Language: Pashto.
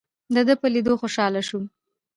دده په لیدو خوشاله شوم.